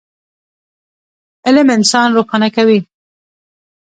علم انسان روښانه کوي.